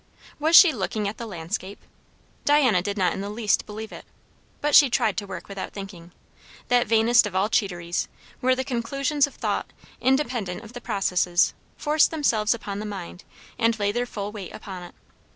Was she looking at the landscape? Diana did not in the least believe it. But she tried to work without thinking; that vainest of all cheateries, where the conclusions of thought, independent of the processes, force themselves upon the mind and lay their full weight upon it.